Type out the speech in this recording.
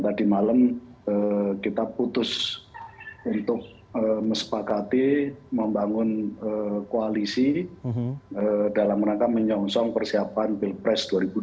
tadi malam kita putus untuk mesepakati membangun koalisi dalam rangka menyongsong persiapan pilpres dua ribu dua puluh